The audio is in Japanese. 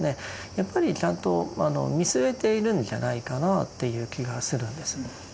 やっぱりちゃんと見据えているんじゃないかなという気がするんです。